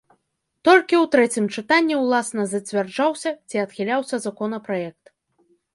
Толькі у трэцім чытанні ўласна зацвярджаўся ці адхіляўся законапраект.